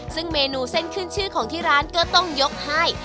ซึ่งเมนูเส้นขึ้นชื่อของที่ร้านก็ต้องยกให้